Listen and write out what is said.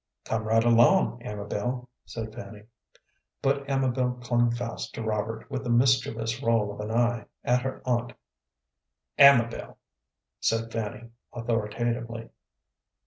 "Come right along, Amabel," said Fanny. But Amabel clung fast to Robert, with a mischievous roll of an eye at her aunt. "Amabel," said Fanny, authoritatively.